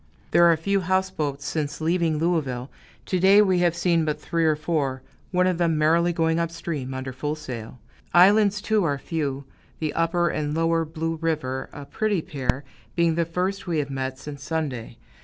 There are few houseboats, since leaving Louisville; to day we have seen but three or four one of them merrily going up stream, under full sail. Islands, too, are few the Upper and Lower Blue River, a pretty pair, being the first we have met since Sunday.